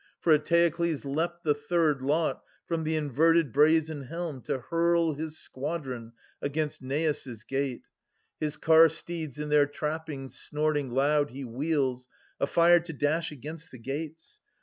For Eteoklus leapt The third lot from the inverted brazen helm To hurl his squadron against Neis' gate. 460 His car steeds in their trappings snorting loud He wheels, afire to dash against the gates.